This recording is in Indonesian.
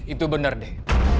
itu benar deh